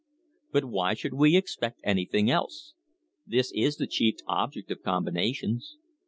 But why should we expect anything else? This is the chief object of combinations.